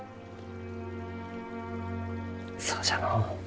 そうじゃのう。